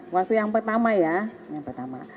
waktu yang pertama ya